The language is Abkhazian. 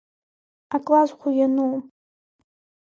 Аклассӷәы иануу?